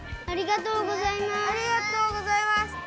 ありがとうございます。